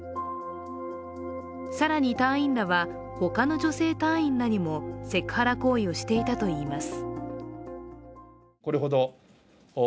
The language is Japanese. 更に隊員らは、他の女性隊員らにもセクハラ行為をしていたといいます。